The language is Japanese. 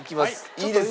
いいですね？